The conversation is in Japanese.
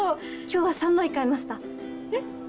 今日は３枚買えましたえっ？